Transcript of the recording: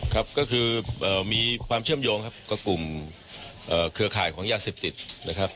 ครับก็คือมีความเชื่อมโยงครับกับกลุ่มเครือข่ายของยาเสพติดนะครับ